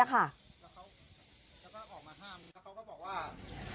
แล้วเขาก็ออกมาห้าม